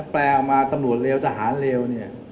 แปลออกมาตำรวจเลวทหารเลว